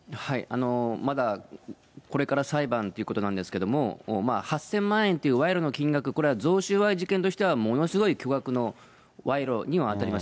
まだこれから裁判ということなんですけれども、８０００万円っていう賄賂の金額、これは贈収賄事件としてはものすごい巨額の賄賂には当たります。